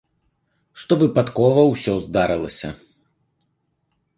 Што выпадкова усё здарылася.